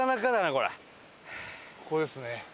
ここですね。